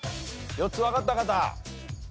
４つわかった方。